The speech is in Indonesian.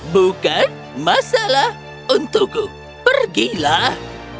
bukan masalah untukku pergilah